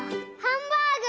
ハンバーグ！